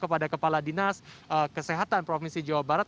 kepada kepala dinas kesehatan provinsi jawa barat